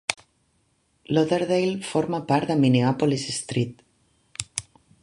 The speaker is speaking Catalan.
Lauderdale forma part de Minneapolis-St.